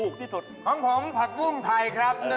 ของผมผักปุ้งไทยครับ